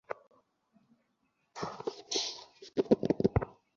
তাই তৃণমূল পর্যায় থেকে মতামত নিয়ে দুজনের নাম কেন্দ্রে পাঠানো হয়েছে।